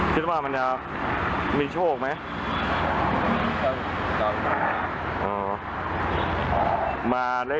คิดว่าจะเสี่ยงโชคไหม